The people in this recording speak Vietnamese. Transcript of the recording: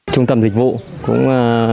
trung tâm dịch vụ cũng